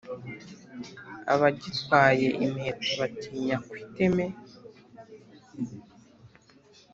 abagitwaye imiheto batinya ku iteme,